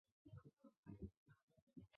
球场有北侧和南侧两座看台。